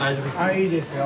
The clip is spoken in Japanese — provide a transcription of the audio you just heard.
はいいいですよ。